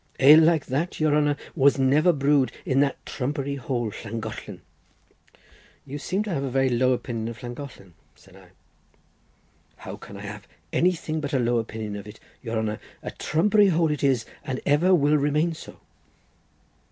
ale like that, your honour, was never brewed in that trumpery hole Llangollen." "You seem to have a very low opinion of Llangollen?" said I. "How can I have anything but a low opinion of it, your honour? A trumpery hole it is, and ever will remain so."